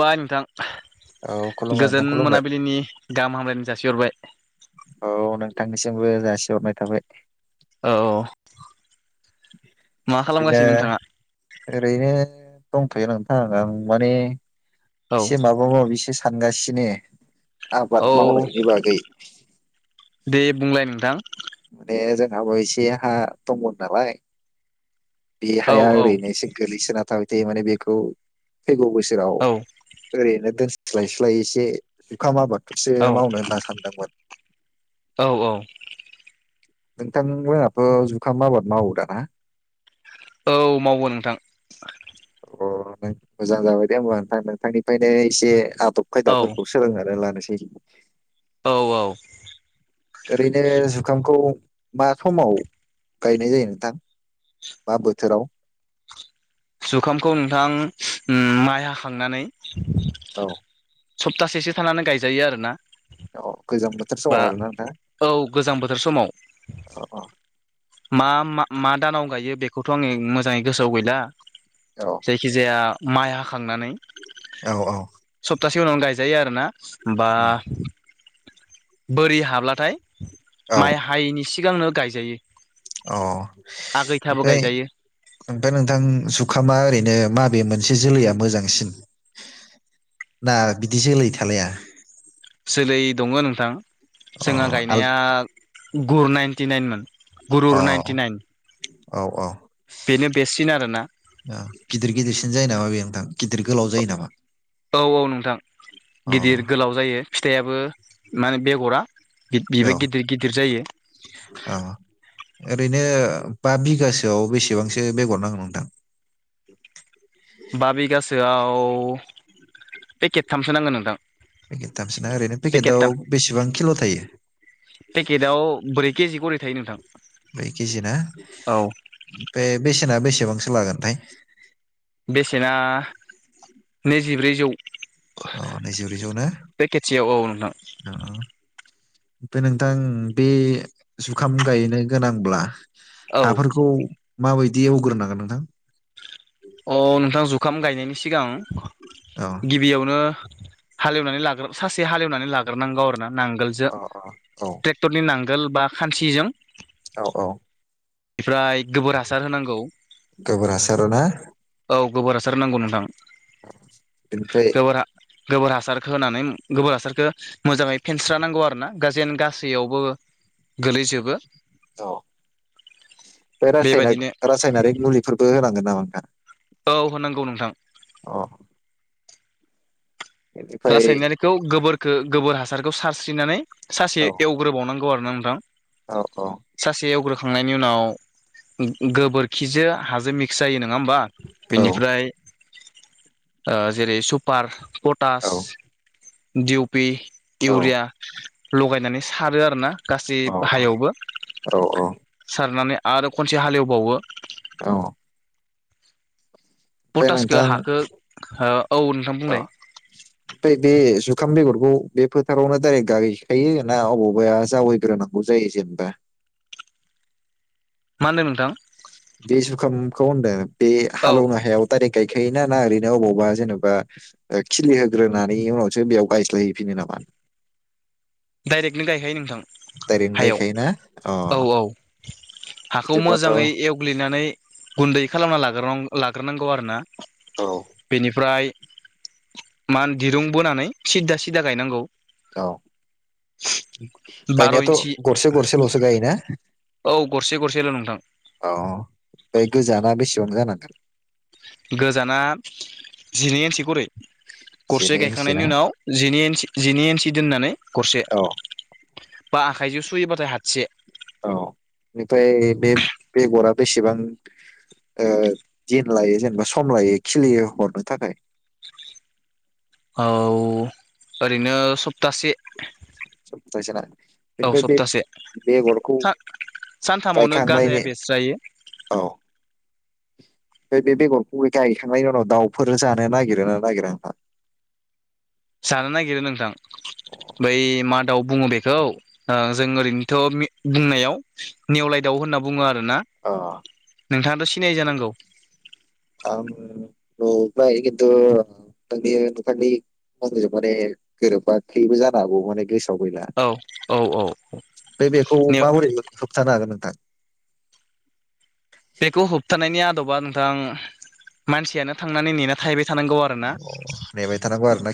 बाय नोंथां औ खुलुमबाय नोंथां गोजोन खुलुमबाय मोनाबिलिनि गाहाम हामलायनाय जासिहरबाय औ नोंथांनिसिमबो जासिहरनाय थाबाय औ औ मा ओरैनो खालामगासिनो नोंथाङा ओरैनो दंथ'यो नोंथां आं माने औ एसे माबा मानसिसो सानगासिनो आबाद औ मावनायनि बागै दे बुंलाय नोंथां माने जोंहाबो एसे हा दंमोन नालाय बे औ हाया औ ओरैनोससे गोलैसोना थाबाय थायो माने बेखौ फैगौ बोसोराव औ ओरैनो दोनस्लाय स्लाय एसे जुखाम आबाद सो औ मावनानैला सानदोंमोन औ औ नोंथांमोनाथ' जुखाम आबाद मावो दाना। औ मावो नोंथां। अ मोजां जाबाय दे होमबा नोंथां नोंथांनिफ्रायनो एसे आदब औ खायदाफोरखौ सोलोंनानै लानोसै। औ औ। ओरैनो जुखामखौ मा समाव गायनाय जायो नोंथां? बा बोथोराव? जुखामखौ नोंथां उम माइ हाखांनानै औ। सप्तासेसो थानानै गायजायो आरो ना। औ गोजां बोथोर समाव बा आरोना नोंथां औ गोजां बोथोर समाव। औ औ मा मा दानाव गायो बेखौथ' आङो मोजाङै गोसोआव गैला। औ जायखि जाया माइ हाखांनानै। औ औ तासे उनावनो गायजायो आरोना बा उम, बोरि हाब्लाथाय औ माइ हायैनि सिगांनो गायजायो। अ आगैथाबो ओमफ्राय गायजायो ओमफ्राय नोंथां जुखामा ओरैनो नो माबे मोनसे जोलैया मोजांसिन? ना बिदि जोलै थालाया? जोलै दङ नोंथां अ जोंहा आल गायनाया गुर नाइन्टि नाइनमोन। अ गुरुर नाइनटि नाइन। औ औ बेनो बेस्टसिन आरोना गिदिर गिदिरसिन जायो नामा बे नोंथां। गिदिर गोलाव जायो नामा औ औ नोंथां अ गिदिर गोलाव जायो। फिथायाबो माने बेगरा। बेबो औ गिदिर गिदिर जायो। औ ओरैनो बा बिगासोआव बेसेबांसो बेगर नांगौ नोंथां? बा बिगासोआव पेकेटथामसो नांगोन नोंथां। पेकेट थामसोना ओरैनो पेकेटाव पेकेटथाम बेसेबां किल' थायो? पेकेटाव ब्रै केजि गरै थायो नोंथां। ब्रै केजि ना औ फाय बेसेना बेसेबांसो लागोन थाय। बेसेना नैजिब्रैजौ। अ नैजिब्रै जौ ना पेकेटसेयाव औ नोंथां अ। ओमफ्राय नोंथां बे जुखाम गायनो गोनांब्ला औ हाफोरखौ माबायदि एवग्रोनांगोन नोंथां। अ नोंथां जुखाम गायनायनि सिगां औ गिबियावनो हालेवनानै लाग्रो सासे हालेवनानै लाग्रोनांगौ आरो ना नांगोलजों अ औ ट्रेक्टरनि नां गोल बा खान्सिजों औ औ। फ्राय गोबोर हासार होनांगौ। गोबोर हासार ना औ गोबोर हासार होनांगौ नोंथां। गोबोर हा [unintelligible] गोबोर हासारखौ होनानै गोबोर हासारखौ मोजाङै फेनस्रानांगौ आरो ना गा जेन गासैयावबो। गोलैजोबो। औ बे बेबायदिनो रासनाक-रासायनारिक मुलिफोरबो होनांगोन नामा नोंथां? औ होनांगौ नोंथां। अ बेनिफ्राय रासायनारिखौ गोबोरखो गोबोर हासारखौ सारस्रिनानै सानसे औ एवग्रोबावनांग गौ आरो ना नोंथां। औ औ। खांनायनि उनाव गोबोरखिजों हाजो मिक्स जायोना। नङा होनबा औ बेनिफ्राइ ओ जेरै सुफार तास दिउपि औ इउरिया लगायनानै सारो आर ना। गासै औ अ बाहायावबो औ सारनानै आरो खनसे हालेवबावो। औ फाय पटासखौ नोंथां हाखौ औ नोंथां अ बुंलाय फाय बे ओंखाम बेगरखौ बे फोथारावनो दाइरेक्ट गायैखायो ना अबावबाया जावैग्रोनांगौ जायो जेनेबा। [inaudible] मा होनदों नोंथां? बे जुखामखौ, होनदों बे औ हालेवनो हायाव दाइरेक्ट गाय खायोना ना ओरैनो अबावबा जेन'बा खिलि होग्रोनानै उनावसो बेयाव गायस्लायहैफिनो नामा? [inaudible] दायरेक्टनो गायखायो नोंथां। दाइरेक्टनो हायाव गायखायो ना? औ औ हाखौ बिदिब्लाथ' मोजाङै औ एवग्लिनानै गुन्दै खालामना लाग्रोनां लाग्रोनांगौ आरोना, बेनिफ्राय मान दिरुं बोनानै सिद्दा-सिदा गायनांगौ। औ बार' गायनायाथ' इन्सि गरसे गरसेलसो गायो ना। औ गरसे गरसेल' नोंथां अ बे गोजाना बेसेबां जानांगो? गोजाना जिनै इन्सि गरै गरसे सेनो इन्सिना गायखांनायनि उनाव जिनै इन्सि-जिनै इन्सि दोननानै गरसे। औ बा आखाइजों सुयोबाथाय हातसे । औ बेनिफ्राय बे बेगरा बेसेबां? ओ दिन लायो जेनेबा सम लायो खिलियो हरनो थाखाय। औ ओरैनो सप्तासे । सप्तायसेना औ बेनिफ्राय बे सप्तासे बेगरखौ। सानथामावनो गाजाया गायखांनायनि बेस्रायो औ फाय बे बेगरखौ गायखांनायनि उनाव दाउफोर जानो नागिरोना नागिरा हा? [inaudible] जानो नागिरो नोंथां, बै मा दाउ बुङो बेखौ ओ जों ओरैनोथ' मे बुंनायाव नेवलाय दाउ होननानै बुङो आर दाउ ना अ नोंथाङाथ' सिनायो जानांगौ? आं ओ नुबाय खिन्थु आंजों माने गोरोबाखैबो जानो हागौ माने गोस आवगयला औ औ औ फाय बेखौ माबोरै होब-होबथानो हागोन नोंथां? बेखौ होबथानायनि आदबा नोंथां, मानसियानो थांनानै नेना थाहैबाय थानांगौ आरोना, अ नेबाय थानांगौ आरो ना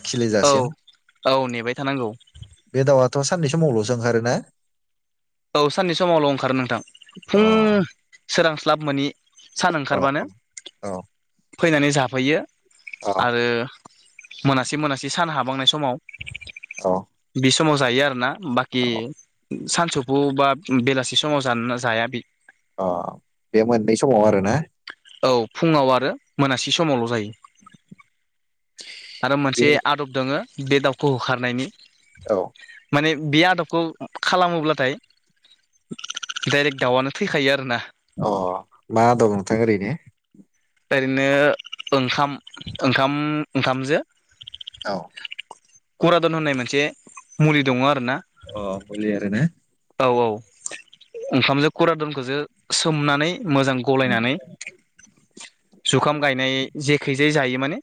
औ खिलिजासिम औ नेबाय थानांगौ। बे दाउआथ' साननैसोमवावल'सो ओंखारोना। औ साननि समावल' ओंखारो नोंथां, अ फुं सोरांस्लाब मोननि सान औ ओंखारबानो औ फैनानै जाफैयो औ आरो। मोनासे मोनासे सान हाबांनाय समाव औ बे समाव जायो आरोना, बाखि औ सानसौफु बा बेलासि समाव जाननो जाया बि अ बे मोननै समाव आरो ना । औ फुङाव आरो मोनासि समावल' जायो‌। आरो बे मोनसे आदब दङो बे दाउखौ होखारनायनि । औ बे आदबखौ खालामोब्लाथाय, डाइरेक्ट दाउआनो थैखायो आरो ना। अ मा दं नोंथां ओरैनो? ओरैनो ओंखाम ओंखाम ओंखामजो। औ कुरादन होननाय मोनसे मुलि दङ आं अ मुलि आरो ना औ औ ओंखामजों कुरादनखौजो सोमनानै मोजां गलायनानै जुखाम गायनाय जेखाय जे जायो माने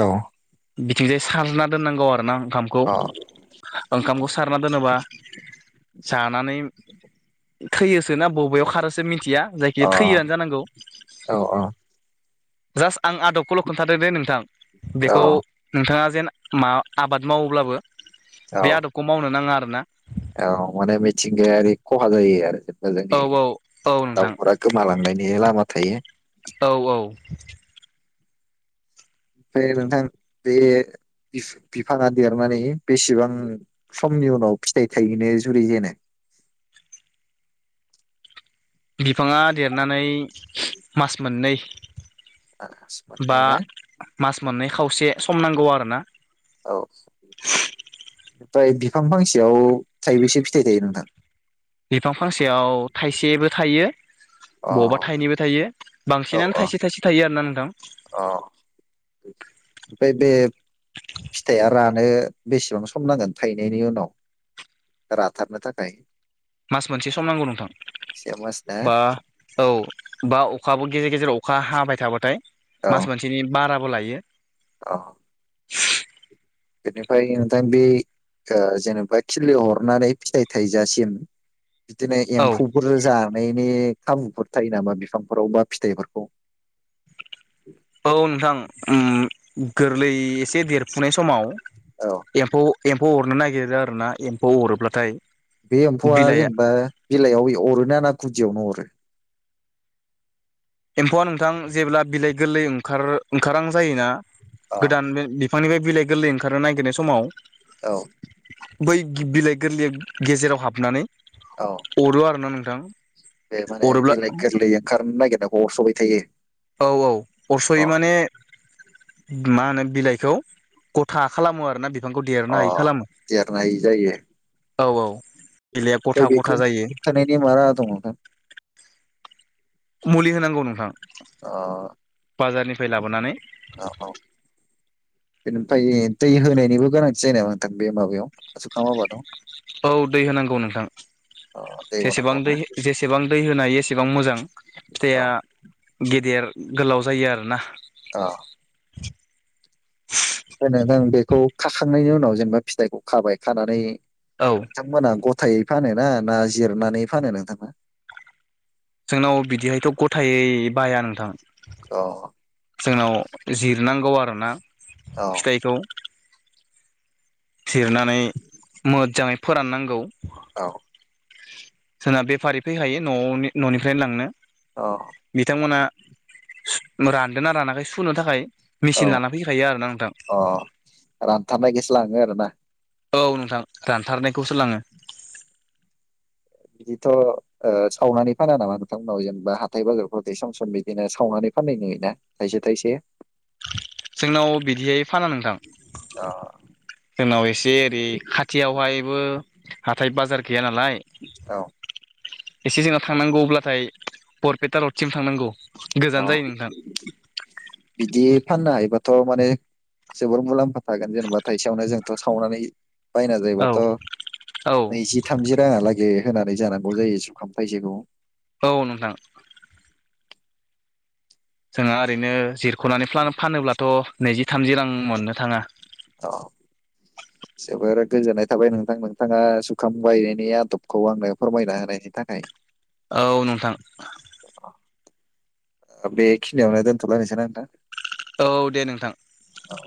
औ बिथिंजाय सारना दोननांगौ आरोना ओंखामखौ अ ओंखामखौ सारना दोनोबा जानानै थैयो सो ना बबेयाव खारो मिथिया जायखि थैयोनो अ जांगौ औ जास आं आदबखौल' खोन्थादों दे नोंथां औ बेखौ नोंथाङा जेन मा आबाद मावोब्लाबो बे आदबखौ मावनो नाङा आरोना अ माने मिथिंगायारि खहा जायो आरो। जोंनि औ औ औ नोंथां दाउफोरा गोमालांनायनि लामा थायो। औ औ ओमफ्राय नोंथां बे बिफाङा देरनानै बेसेबां समनि उनाव फिथाइ थायहैनो जुरि जेनो [inaudible] बिफाङा देरनानै मास मोननै मास बा मोननै ना मास मोननै खावसे सम नांगौ आरोना औ ओमफ्राय बिफां फांसेयाव थाइबैसे फिथाइ थायो नोंथां बिफां फांसेयाव थाइसेबो थायो अ बबावबा थाइनैबो थायो औ बांसिनानो अ थाइसे थाइसे थायो आरना नों अ ओमफ्राय बे फिथाइया रान नो बेसेबां सम नांगोन थायनायनि उनाव राथारनो थाखाय मास मोनसे सम नांगौ नोंथां। से मास ना बा औ बा अखाबो गेजेर गेजेर अ खा हाबाय थाबाथाय औ मास मोनसेनि बाराबो लायो। औ बेनिफ्राय नोथां बे जा जेनेबा खिलि हरनानै फिथाइ थायजासिम बिदिनो औ एम्फौफोर जानाय नि खामुफोर थायो नामा बिफांफोराव बा फिथाइफोरखौ औ नोंथां ओम गोरलै एसे देरफुनाय समाव औ एम्फौ एम्फौ अरनो नागिरो आरोना एम्फौ अरोब्लाथाय बे एम्फौआ बिलाइआ जेनेबा बिलाइयाव अरोना ना गुदियावनो अरो एम्फौआ नोंथां जेब्ला बिलाइ गोरलै ओंखार ओंखारां जायोना अ गोदान बे बिफांनिफ्राय बिलाइ गोरलै ओंखारनो नागिरनाय समाव औ बै बिलाइ गोरलैया गेजेराव हाबनानै अरो आरोना नोंथां। ए माने अरोब्ला बिलाइ गोरलै ओंखारनो नागिरनायखौ अरस'बाय थायो। औ औ अ अरस'यो माने मा होनो बिलाइखौ गथा खालामो आरोना बि फांखौ देरनो अ हायि खालामो देरनाय जायो औ औ। बिलाइआ ओमफ्राय गथा गथा बेखौ जायो होबथानायनि मा राहा दङ नोंथां? मुलि होनांगौ नोंथां। अ बाजारनिफ्राय लाबोनानै औ औ बेनिफ्राय दै होनायनिबो गोनांथि जायो नामा नोंथां बे माबायाव जुंखाम आबादाव? औ दै होनांगौ नोंथां अ दै जेसेबां होनांगौ ना दै जेसेबां दै होनो हायो एसे। बां मोजां औ फिथाइया गेदेर गोलाव जायो आरोना। आ [unintelligible] ओमफाय नोंथां बेखौ खाखांनायनि उनाव जेनेबा फिथाइखौ खाबाय खानानै औ नोंथांमोना गथायै फानो ना ना जिरनानै फानो नोंथांना जोंनाव बिदिहायथ' गथायै बाया नोंथां अ। जोंनाव जिरनांगौ आरोना औ फिथाइखौ जिरनानै मोजाङै फोराननांगौ । औ। जोंना बेफारि फैखायो न'वावनि न'निफ्रायनो लांनो औ बिथांमोना रानदों ना रानाखै सुनो थाखाय औ मेचिन लाना फैखायो आरोना नोंथां अ रानथारनायखौ लाङो आरोना औ नोंथां रानथारनायखौसो लाङो बिदिथ' सावनानै फाना नामा नोंथांमोनाव जेनेबा हाथाय बाजारफोरावदि सम सम बिदिनो सावनानै फाननाय नुयोना थाइसे थाइसे जोंनाव बिदिहाय फाना नोंथां अ जोंनाव एसे ओरै खाथियावहायबो हाथाइ बाजार। गैया नालाय औ एसे जोंनाव थांनांगौ अब्लाथाय बरपेटा रडसिम थांनांगौ अ गोजान जायो नोंथां बिदि फाननो हायोबा थ' माने जोबोर मुलाम्फा थागोन जेनेबा थाइसेयावनो जोंथ' सावनानै बायना औ जायोबाथ' औ नैजि थामजि राङा लागै होनानै जानांगौ जायो जुंखाम थाइसेखौ औ नोंथां जोंहा ओरैनो जिरख'नानै फ्ला फानोब्लाथ' नैजि थामजि रां मोननो थाङा औ जोबोर गोजोननाय थाबाय नोंथां नोंथाङा जुंखाम बायनायनि आदबखौ आंनो फोरमायना होनायनि। थाखाय। औ नोंथां। बेखिनियावनो दोनथ'लायनोसै ना नोंथां औ दे नोंथां। औ।